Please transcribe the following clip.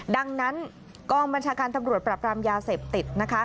ดังนั้นกองบัญชาการตำรวจปรับรามยาเสพติดนะคะ